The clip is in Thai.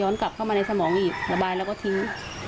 ระบายแล้วก็ทิ้ง